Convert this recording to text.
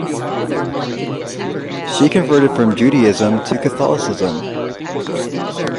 She converted from Judaism to Catholicism.